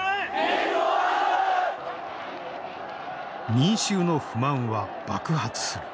民衆の不満は爆発する。